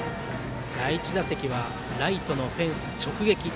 第１打席はライトのフェンス直撃。